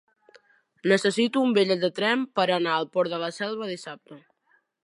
Necessito un bitllet de tren per anar al Port de la Selva dissabte.